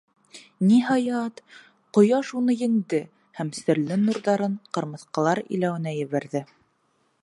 Ниһайәт, ҡояш уны енде һәм серле нурҙарын ҡырмыҫҡалар иләүенә ебәрҙе.